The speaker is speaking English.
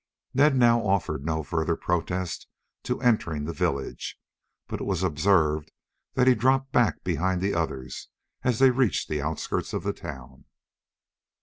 Ned now offered no further protest to entering the village, but it was observed that he dropped back behind the others as they reached the outskirts of the town.